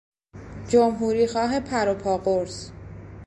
جمهوریخواه پروپا قرص